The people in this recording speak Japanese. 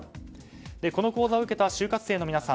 この講座を受けた就活生の皆さん